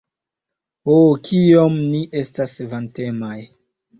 Ho, kiom ni estas vantemaj!